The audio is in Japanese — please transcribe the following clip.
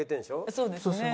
そうですね。